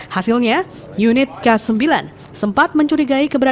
hasilnya unit k sembilan sempat mencurigai keberadaan